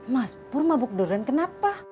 mas pur mabuk durian kenapa